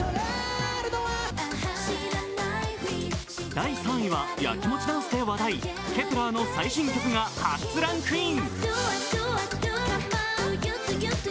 第３位はヤキモチダンスで話題Ｋｅｐ１ｅｒの新曲が初ランクイン。